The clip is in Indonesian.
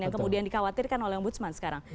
yang kemudian dikhawatirkan oleh om budsman sekarang